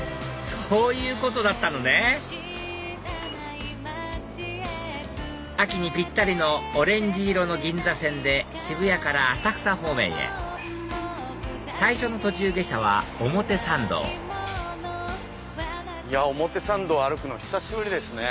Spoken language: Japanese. そういうことだったのね秋にぴったりのオレンジ色の銀座線で渋谷から浅草方面へ最初の途中下車は表参道表参道歩くの久しぶりですね。